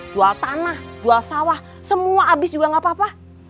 jual tanah jual sawah semua abis juga gak papa